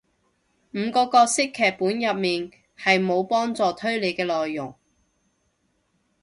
五個角色劇本入面係無幫助推理嘅內容